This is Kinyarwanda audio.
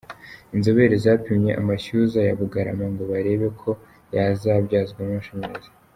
Inzobere zapimye Amashyuza ya Bugarama ngo barebe ko yazabyazwamo amashanyarazi